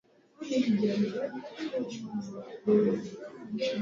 Kaisari wa Roma kilichoitwa tsar na kuwa cheo cha watawala wa Urusi